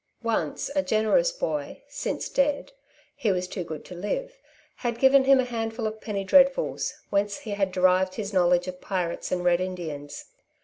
Once a generous boy, since dead he was too good to live had given him a handful of penny dreadfuls, whence he had derived his knowledge of pirates and Red Indians.